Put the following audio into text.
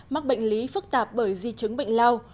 mắc bệnh lý phức tạp bởi di chứng bệnh lao